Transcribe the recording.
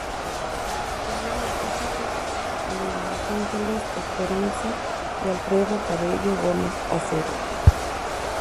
Tuvieron tres hijos, María de los Ángeles, Esperanza y Alfredo Cabello Gómez-Acebo.